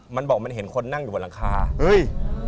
มันบอกมันเห็นคนนั่งอยู่บนหลังคาเฮ้ย